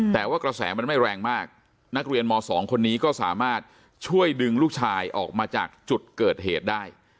แต่ว่ากระแสมันไม่แรงมากนักเรียนม๒คนนี้ก็สามารถช่วยดึงลูกชายออกมาจากจุดเกิดเหตุได้